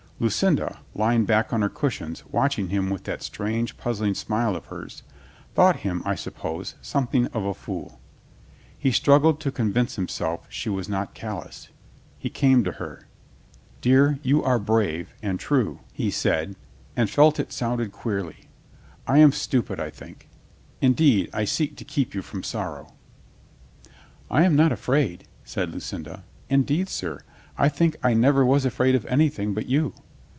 Lucinda, lying back on her cushions watching him with that strange, puzzling smile of hers, thought him, I suppose, something of a fool. ... He struggled to convince him self she was not callous. ... He came to her. "Dear, you are brave ... and true," 194 COLONEL GREATHEART he said, and felt it sounded queerly. "I am stupid, I think. ... Indeed, I seek to keep you from sorrow." "I am not afraid," said Lucinda. "Indeed, sir, I think I never was afraid of anything but you."